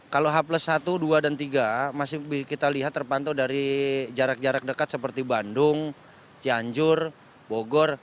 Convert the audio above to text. kalau h plus satu dua dan tiga masih kita lihat terpantau dari jarak jarak dekat seperti bandung cianjur bogor